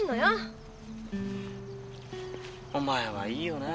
お前はいいよな。